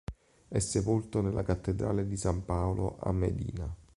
È sepolto nella Cattedrale di San Paolo a Medina.